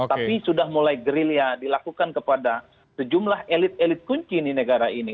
tapi sudah mulai gerilya dilakukan kepada sejumlah elit elit kunci di negara ini